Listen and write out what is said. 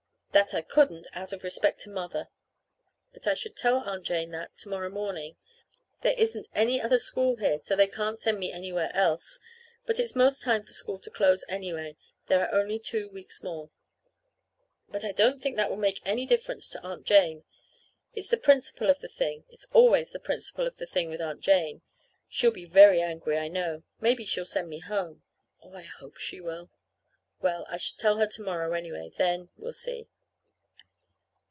That I couldn't, out of respect to Mother. That I should tell Aunt Jane that to morrow morning. There isn't any other school here, so they can't send me anywhere else. But it's 'most time for school to close, anyway. There are only two weeks more. But I don't think that will make any difference to Aunt Jane. It's the principle of the thing. It's always the principle of the thing with Aunt Jane. She'll be very angry, I know. Maybe she'll send me home. Oh, I hope she will! Well, I shall tell her to morrow, anyway. Then we'll see.